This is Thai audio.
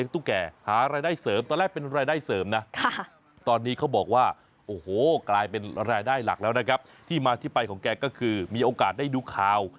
ที่มาที่ไปของแกก็คือมีโอกาสได้ดูข่าว